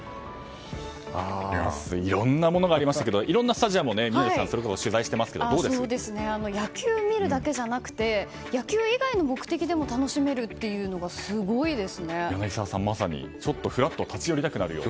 いろいろなものがありましたけどいろんなスタジアムを宮司さんは野球を見るだけじゃなくて野球以外の目的でも楽しめるっていうのが柳澤さん、まさにちょっとふらっと立ち寄りたくなるような。